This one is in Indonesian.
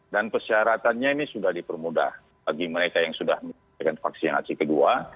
dan persyaratannya ini sudah dipermudah bagi mereka yang sudah menggunakan vaksinasi kedua